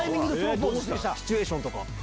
シチュエーションとか。